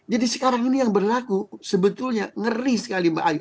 jadi sekarang ini yang berlaku sebetulnya ngeri sekali mbak ayu